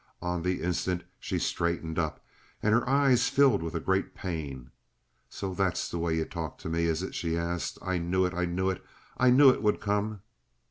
On the instant she straightened up, and her eyes filled with a great pain. "So that's the way you talk to me, is it?" she asked. "I knew it! I knew it! I knew it would come!"